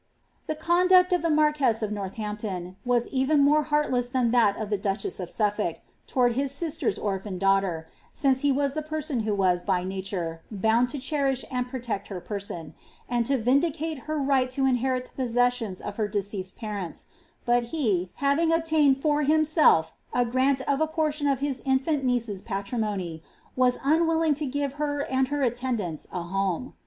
"' The conduct of the marquess of Northampton was even more heart I than that of the duchess of Suffolk, towards his sister's orphaa ghter, since he was the person who was, by nature, bound to cherish : protect her person, and to vindicate her right to inherit the posseo 18 of her deceased parents ; but he, having obtained for himself a Dt of a portion of his infant niece's patrimony,' was unwilling to 9 her and her attendants a home.